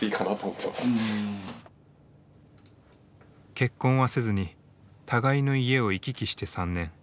結婚はせずに互いの家を行き来して３年。